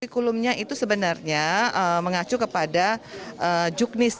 kulumnya itu sebenarnya mengacu kepada juknis